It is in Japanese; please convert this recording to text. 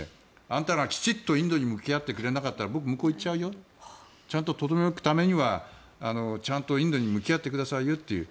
あんたら、きちんとインドに向き合ってくれなかったら僕は向こうに行っちゃうよちゃんととどめ置くためにはちゃんとインドに向き合ってくださいよという。